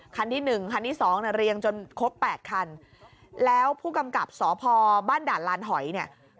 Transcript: คันที่หนึ่งคันที่สองน่ะเรียงจนครบ๘คันแล้วผู้กำกับสพบ้านด่านลานหอยเนี่ย